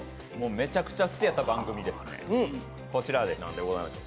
めちゃくちゃ好きやった番組ですね。